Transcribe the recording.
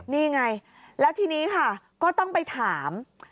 นี่ไงแล้วทีนี้ค่ะก็ต้องไปถาม